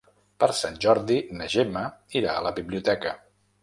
Per Sant Jordi na Gemma irà a la biblioteca.